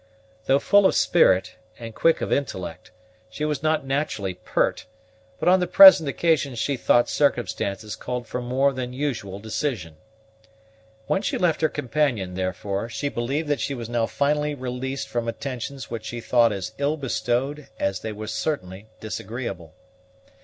Though full of spirit and quick of intellect, she was not naturally pert; but on the present occasion she thought circumstances called for more than usual decision. When she left her companion, therefore, she believed she was now finally released from attentions which she thought as ill bestowed as they were certainly disagreeable.